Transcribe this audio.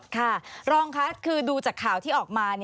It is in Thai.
ค่ะรองค่ะคือดูจากข่าวที่ออกมา